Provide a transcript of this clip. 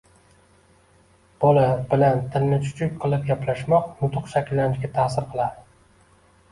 Bola bilan tilni chuchuk qilib gaplashmoq nutq shakllanishiga ta'sir qiladi.